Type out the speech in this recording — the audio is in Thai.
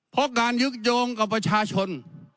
เพราะการยึดโยงกับประชาชน